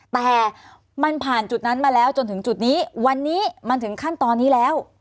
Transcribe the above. แต่มันผ่านจุดนั้นมาแล้วจนถึงจุดนี้วันนี้มันถึงขั้นตอนนี้แล้ว